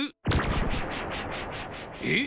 えっ！